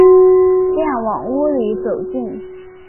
便往屋里走进